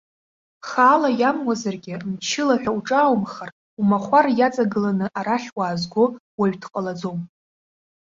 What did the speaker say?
Хаала иамуазаргьы мчыла ҳәа уҿааумхар, умахәар иаҵагыланы арахь уаазго уаҩ дҟалаӡом.